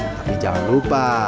tapi jangan lupa